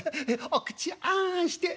お口あんして。